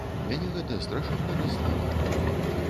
Мяне гэта страшэнна раззлавала.